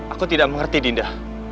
aku tidak mengerti dinda